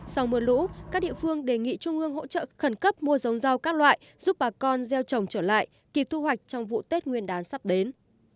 sau mưa lũ các địa phương đề nghị trung ương hỗ trợ khẩn cấp mua giống rau các loại giúp bà con gieo trồng trở lại kịp thu hoạch trong vụ tết nguyên đán sắp đến